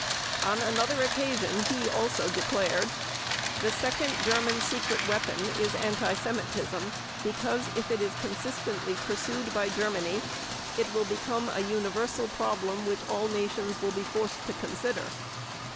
On another occasion he also declared: "The second German secret weapon is anti Semitism because if it is consistently pursued by Germany, it will become a universal problem which all nations will be forced to consider."